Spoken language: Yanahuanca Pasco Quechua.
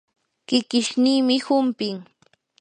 kikishniimi humpin.